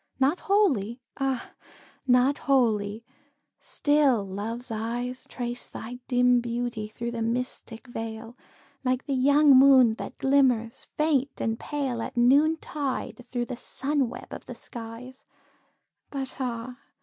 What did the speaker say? Not wholly ah! not wholly still Love's eyes Trace thy dim beauty through the mystic veil, Like the young moon that glimmers faint and pale, At noontide through the sun web of the skies; But ah!